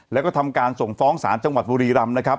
แล้วก็ทำการส่งฟ้องศาลจังหวัดบุรีรำนะครับ